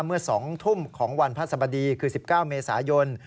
เมื่อ๒ทุ่มของวันพระสบดีคือ๑๙เมษายน